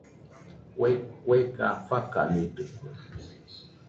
Kue kuega fakanidɨkue.